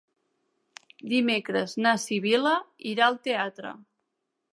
Dimecres na Sibil·la irà al teatre.